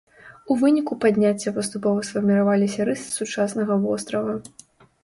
У выніку падняцця паступова сфарміраваліся рысы сучаснага вострава.